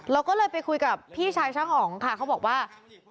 เราก็เลยไปคุยกับพี่ชายช่างอ๋องค่ะเขาบอกว่า